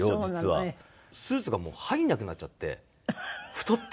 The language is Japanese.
スーツがもう入らなくなっちゃって太って。